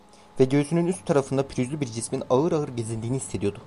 Ve göğsünün üst tarafında pürüzlü bir cismin ağır ağır gezindiğini hissediyordu.